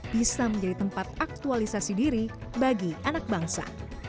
bisa menjadi tempat aktualisasi diri bagi anak bangsa